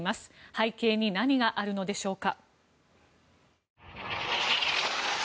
背景に何があるのでしょうか。